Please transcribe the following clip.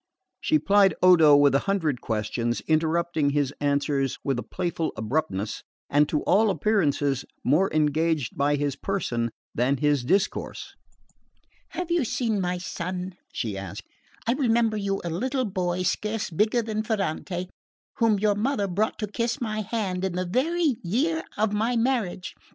She plied Odo with a hundred questions, interrupting his answers with a playful abruptness, and to all appearances more engaged by his person than his discourse. "Have you seen my son?" she asked. "I remember you a little boy scarce bigger than Ferrante, whom your mother brought to kiss my hand in the very year of my marriage.